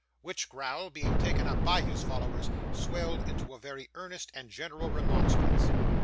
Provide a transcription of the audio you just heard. Which growl being taken up by his fellows, swelled into a very earnest and general remonstrance.